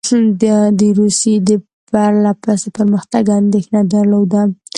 ده د روسیې د پرله پسې پرمختګ څخه اندېښنه درلوده.